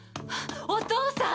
お父さん！